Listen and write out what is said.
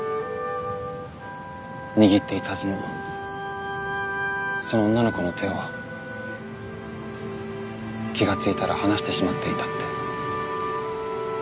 握っていたはずのその女の子の手を気が付いたら離してしまっていたって。